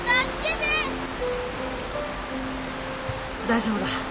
大丈夫だ。